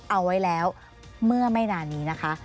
เอาไว้แล้วเมื่อไม่นานนี้นะคะ